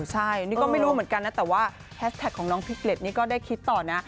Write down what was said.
ใช่นี่ก็ไม่รู้เหมือนกันนะแต่ว่าแฮชแท็กของน้องพิกเกร็ดนี่ก็ได้คิดต่อนะ